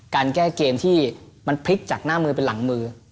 การแก้เกมที่มันพลิกจากหน้ามือเป็นหลังมือ